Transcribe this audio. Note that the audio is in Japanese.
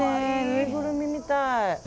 ぬいぐるみみたい。